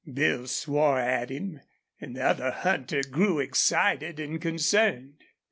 Bill swore at him, and the other hunter grew excited and concerned.